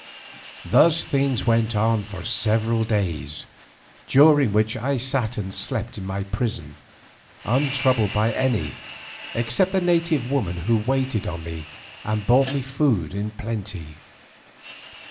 Thus things went for several days, during which I sat and slept in my prison untroubled by any, except the native woman who waited on me and brought me food in plenty.